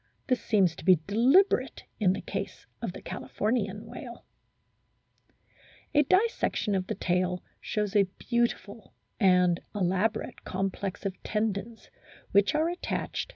This seems to be deliberate in the case of the Californian whale. (See p. 170.) A dissection of the tail shows a beautiful and elaborate complex of tendons, which are attached to * Dr. MURIE (Proc.